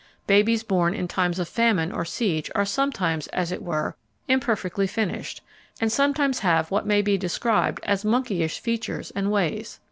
Babies born in times of famine or siege are sometimes, as it were, imperfectly finished, and sometimes have what may be described as monkeyish features and ways.